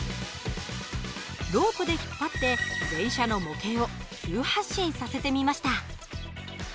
ロープで引っ張って電車の模型を急発進させてみました。